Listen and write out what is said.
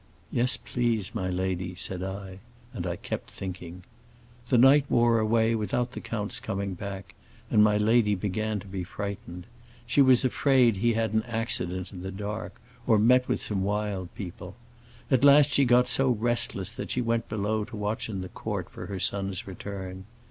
'Yes, please, my lady,' said I; and I kept thinking. The night wore away without the count's coming back, and my lady began to be frightened. She was afraid he had had an accident in the dark, or met with some wild people. At last she got so restless that she went below to watch in the court for her son's return.